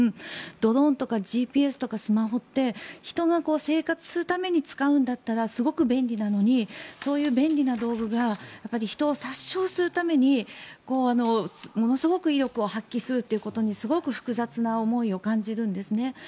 ドローンとかＧＰＳとかスマホって人が生活するために使うんだったらすごく便利なのにそういう便利な道具が人を殺傷するためにものすごく威力を発揮することにすごく複雑な思いを感じるんですね。